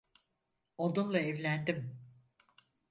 Onunla evlendim.